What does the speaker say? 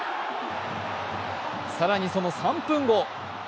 更にその３分後。